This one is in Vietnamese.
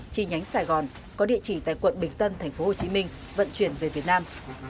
chi nhánh sài gòn có địa chỉ tại quận bình tân tp hcm vận chuyển về việt nam